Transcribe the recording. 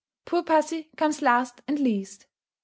poor pussy comes last and least.